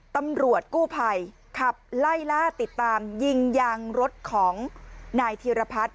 ตำรวจกู้ภัยขับไล่ล่าติดตามยิงยางรถของนายธีรพัฒน์